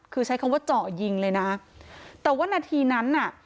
คือใช้คำว่าเจาะยิงเลยนะแต่ว่านาทีนั้นน่ะ